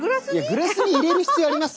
グラスに入れる必要あります？